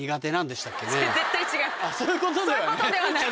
そういうことではない？